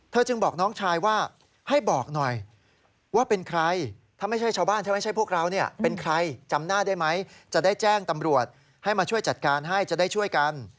จึงบอกน้องชายว่าให้บอกหน่อยว่าเป็นใครถ้าไม่ใช่ชาวบ้านถ้าไม่ใช่พวกเราเนี่ยเป็นใครจำหน้าได้ไหมจะได้แจ้งตำรวจให้มาช่วยจัดการให้จะได้ช่วยกัน